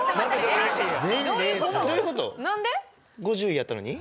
５０位やったのに？